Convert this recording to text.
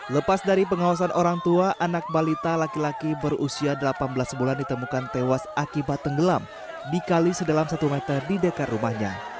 lepas dari pengawasan orang tua anak balita laki laki berusia delapan belas bulan ditemukan tewas akibat tenggelam di kali sedalam satu meter di dekat rumahnya